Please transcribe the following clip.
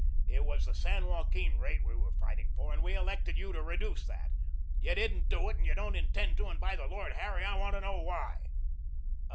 It was the San Joaquin rate we were fighting for, and we elected you to reduce that. You didn't do it and you don't intend to, and, by the Lord Harry, I want to know why."